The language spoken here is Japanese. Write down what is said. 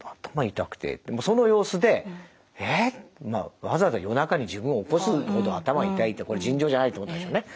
もうその様子で「えっ！？」。まあわざわざ夜中に自分を起こすほど頭が痛いってこれ尋常じゃないってことでしょうね。